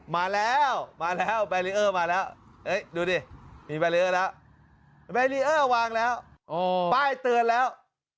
มาแล้วมาแล้วมาแล้วเฮ้ยดูดิมีแล้ววางแล้วอ๋อป้ายเตือนแล้ว